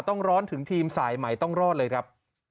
ต้องร้อนถึงทีมสายใหม่ต้องรอดเลยครับ